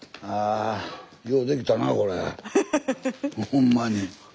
ほんまに。